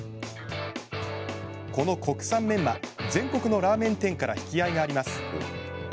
この国産メンマ全国のラーメン店から引き合いがあります。